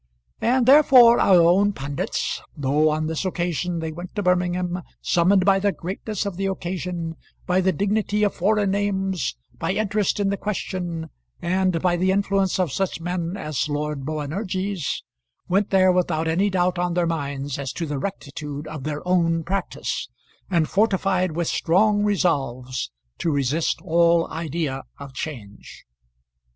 And therefore our own pundits, though on this occasion they went to Birmingham, summoned by the greatness of the occasion, by the dignity of foreign names, by interest in the question, and by the influence of such men as Lord Boanerges, went there without any doubt on their minds as to the rectitude of their own practice, and fortified with strong resolves to resist all idea of change.